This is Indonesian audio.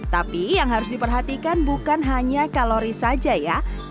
tapi yang harus diperhatikan bukan hanya kalori saja ya